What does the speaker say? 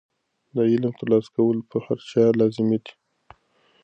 د علم ترلاسه کول په هر چا لازمي دي.